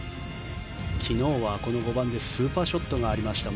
昨日はこの５番でスーパーショットがありました。